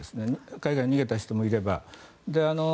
海外に逃げた人もいれば。